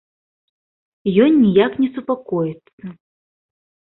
Ён ніяк не супакоіцца.